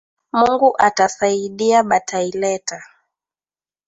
Mungu ata saidia batai leta